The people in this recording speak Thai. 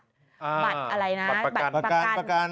บัตรอะไรนะบัตรประกัน